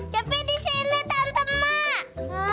cabi disini tantem mak